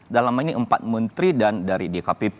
dalam ini empat menteri dan dari dkpp